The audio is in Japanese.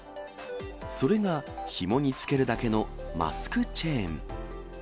それがひもにつけるだけのマスクチェーン。